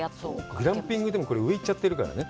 グランピングでも、これ浮いちゃってるからね。